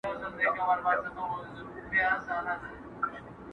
• د ترخو میو خوږو یارانو,